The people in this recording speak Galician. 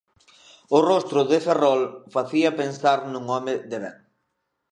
O rostro de Ferrol facía pensar nun home de ben.